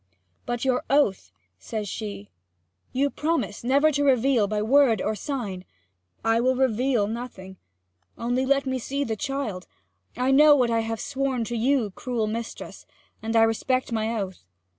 'But your oath?' says she. 'You promised never to reveal by word or sign ' 'I will reveal nothing. Only let me see the child. I know what I have sworn to you, cruel mistress, and I respect my oath.